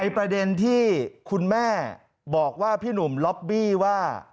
ประเด็นที่คุณแม่บอกว่าพี่หนุ่มล็อบบี้ว่า